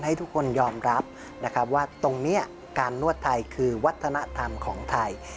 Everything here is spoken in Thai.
ให้ทุกคนยอมรับนะครับว่าตรงนี้การนวดไทยคือวัฒนธรรมของไทย